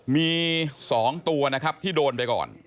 มี๒ตัวนะครับที่โดนไปก่อน